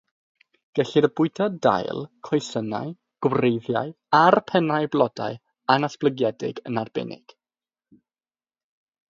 Gellir bwyta dail, coesynnau, gwreiddiau a'r pennau blodau annatblygedig yn arbennig.